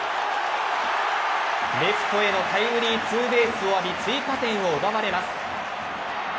レフトへのタイムリーツーベースを浴び追加点を奪われます。